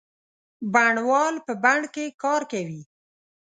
بڼوال په بڼ کې کار کوي.